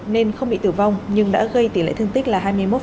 nên không bị tử vong nhưng đã gây tỷ lệ thương tích là hai mươi một